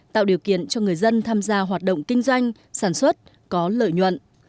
tạo điều kiện cho người dân tham gia hoạt động kinh doanh sản xuất có lợi nhuận